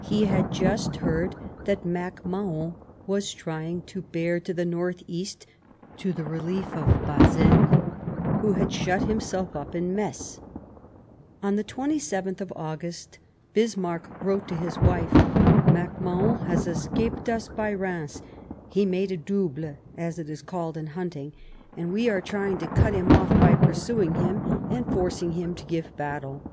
He had just heard that MacMahon was trying to bear to the north east, to the relief of Bazaine, who had shut himself up in Metz. On the 27th of August Bismarck wrote to his wife :" Mac Mahon has escaped us by Reims ; he made a double, as is said in hunting, and we are trying 134 The War of 1870 to cut him off by pursuing him and forcing him to give battle."